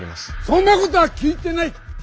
そんなことは聞いてない！